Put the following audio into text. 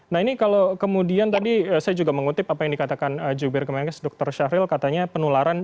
nah ini kalau kemudian tadi saya juga mengutip apa yang dikatakan jubir kemenkes dr syahril katanya penularan